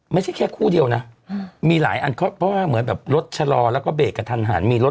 ไม่ใช่แค่คู่เดียวนะมีหลายอันเพราะว่าเหมือนแบบรถชะลอแล้วก็เบรกกระทันหันมีรถ